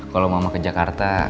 kalau mama ke jakarta